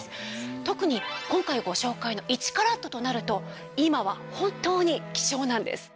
特に今回ご紹介の１カラットとなると今は本当に希少なんです。